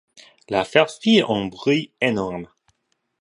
L’affaire fit un bruit énorme.